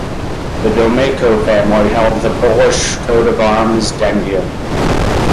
The Domeyko family held the Polish coat of arms "Dangiel".